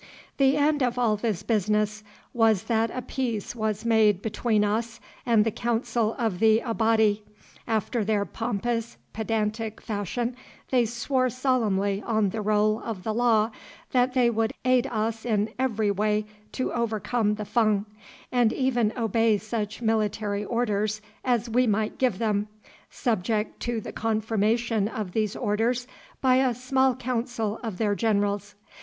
The end of all this business was that a peace was made between us and the Council of the Abati. After their pompous, pedantic fashion they swore solemnly on the roll of the Law that they would aid us in every way to overcome the Fung, and even obey such military orders as we might give them, subject to the confirmation of these orders by a small council of their generals.